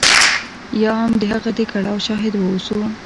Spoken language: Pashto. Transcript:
یا هم د هغه د کړاو شاهد واوسو.